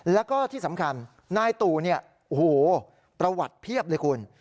แล้วก็ที่สำคัญนายตู่ประวัติเพียบเลยคุณ